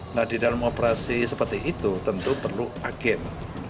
nah di dalam operasi seperti itu tentu perlu agen